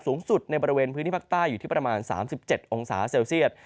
สูงสุดในบริเวณพื้นที่ภาคใต้อยู่ที่ประมาณ๓๗องศาเซลเซียต